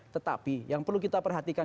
tetapi yang perlu kita perhatikan